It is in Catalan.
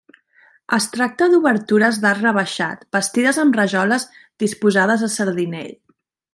Es tracta d'obertures d'arc rebaixat, bastides amb rajoles disposades a sardinell.